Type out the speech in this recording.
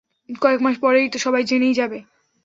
কয়েক মাস পরেতো সবাই জেনেই যাবে।